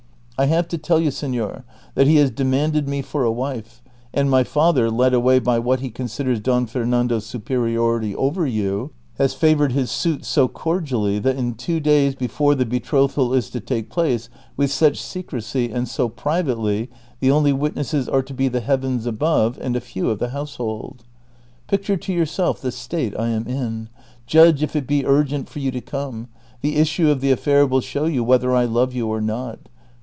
I have to tell you, senor, that he has deuiiinded me for a wife, and my father, led away by what he considers Don Fernando's superiority over you, has favored liis suit so cordially, that in two days hence the betrothal is to take place with such secrecy and so privately the only witnesses are to be the heavens above and a few of the house hold. Picture to j'Ourself the state I am in ; judge if it be urgent for you to come ; the issue of the affair will show you whether I love you or not.